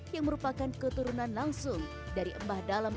yang merupakan keturunan langsung dari mbah dalem arif muhammad